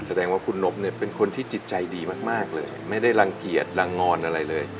แสดงว่าคุณนบเนี่ยเป็นคนที่จิตใจดีมากเลยไม่ได้รังเกียจรังงอนอะไรเลย